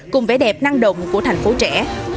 cùng vẻ đẹp năng động của thành phố trẻ